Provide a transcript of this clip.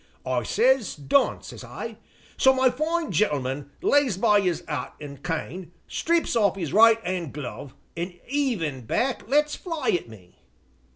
I says, 'done,' says I. So my fine gentleman lays by 'is 'at an' cane, strips off 'is right 'and glove, an' 'eavin' back lets fly at me.